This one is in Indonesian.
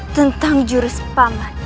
tentang jurus paman